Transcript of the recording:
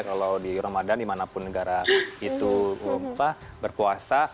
kalau di ramadan dimanapun negara itu berpuasa